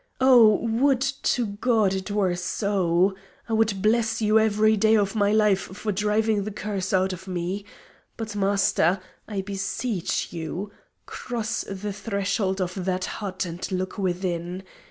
Oh, would to God it were so! I would bless you every day of my life for driving the curse out of me. But, Master, I beseech you, cross the threshold of that hut and look within.